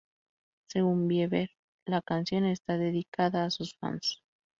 Según Bieber, la canción está dedicada a sus fans.